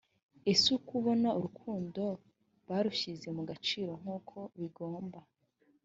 ese uko ubona urukundo barushyize mu gaciro nk’uko bigomba‽